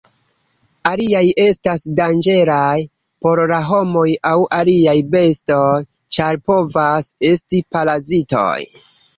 Aliaj estas danĝeraj por la homoj aŭ aliaj bestoj, ĉar povas esti parazitoj.